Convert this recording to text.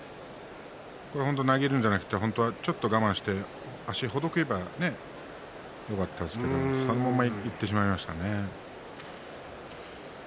投げるんじゃなくてちょっと我慢して足をほどけばよかったんですけれどそのままいってしまいましたね。